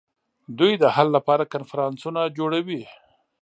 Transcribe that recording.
دوی د حل لپاره کنفرانسونه جوړوي